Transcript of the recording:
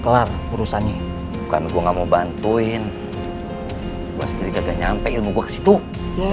kelar urusannya bukan gua nggak mau bantuin gue sendiri gak nyampe ilmu gue ke situ ya